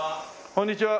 こんにちは。